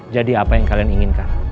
jadi apa yang kalian inginkan